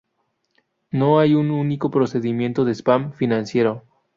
No hay un único procedimiento de spam financiero.